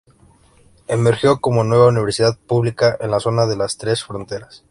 Emergió como nueva universidad pública en la zona de las Tres Fronteras.